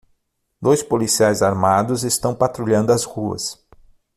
Dois policiais armados estão patrulhando as ruas.